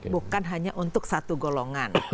bukan hanya untuk satu golongan